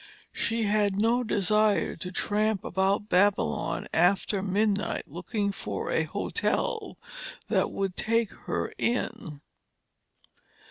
She had no desire to tramp about Babylon after midnight, looking for a hotel that would take her in.